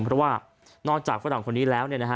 เพราะว่านอกจากฝรั่งคนนี้แล้วเนี่ยนะฮะ